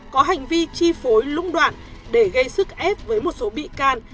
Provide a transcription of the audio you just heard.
có hành vi chi phối lũng đoạn để gây sức ép với một số bị can